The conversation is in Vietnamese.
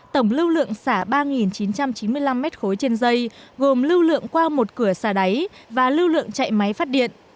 tổng lưu lượng xả ba chín trăm chín mươi năm m ba trên dây gồm lưu lượng qua một cửa xả đáy và lưu lượng chạy máy phát điện